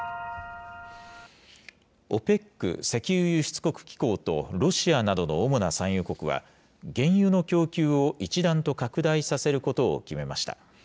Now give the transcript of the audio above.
ＯＰＥＣ・石油輸出国機構と、ロシアなどの主な産油国は、原油の供給を一段と拡大させることを決めました。